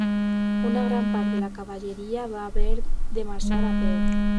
Una gran part de la cavalleria va haver de marxar a peu.